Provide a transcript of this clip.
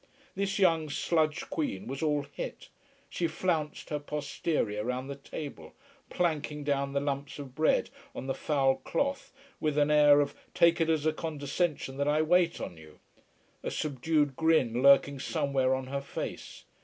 This young sludge queen was all hit. She flounced her posterior round the table, planking down the lumps of bread on the foul cloth with an air of take it as a condescension that I wait on you, a subdued grin lurking somewhere on her face.